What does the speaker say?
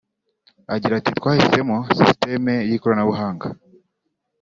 Agira ati “Twahisemo sisiteme y’ikoranabuhanga